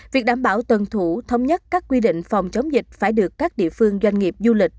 việc đảm bảo tuân thủ thống nhất các quy định phòng chống dịch phải được các địa phương doanh nghiệp du lịch